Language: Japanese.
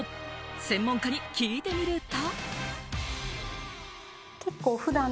専門家に聞いてみると。